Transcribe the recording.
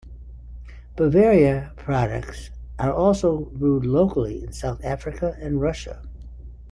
Bavaria products are also brewed locally in South Africa and Russia.